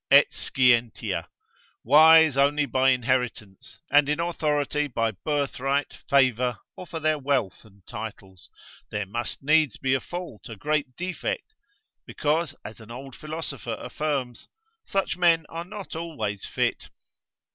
et scientia, wise only by inheritance, and in authority by birthright, favour, or for their wealth and titles; there must needs be a fault, a great defect: because as an old philosopher affirms, such men are not always fit.